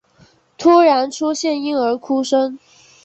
突然出现婴儿哭声